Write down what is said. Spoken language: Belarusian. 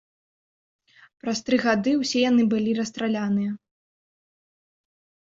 Праз тры гады ўсе яны былі расстраляныя.